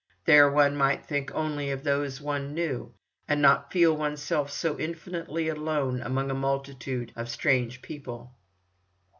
There one might think only of those one knew, and not feel oneself so infinitely alone among a multitude of strange people.